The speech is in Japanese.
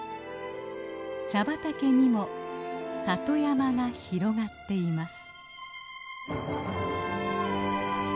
茶畑にも里山が広がっています。